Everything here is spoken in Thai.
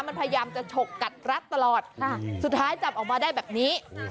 มันพยายามจะฉกกัดรัดตลอดสุดท้ายจับออกมาได้แบบนี้